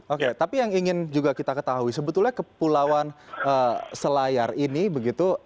oke tapi yang ingin juga kita ketahui sebetulnya kepulauan selayar ini begitu